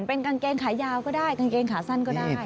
เป็นกางเกงขายาวก็ได้กางเกงขาสั้นก็ได้